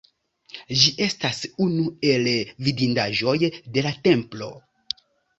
Ĝi estas unu el la vidindaĵoj de la templo.